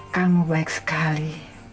kamu baik sekali